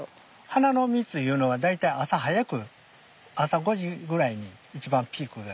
花の蜜いうのは大体朝早く朝５時ぐらいに一番ピークが。